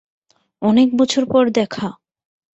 অনেক বছর পর দেখা!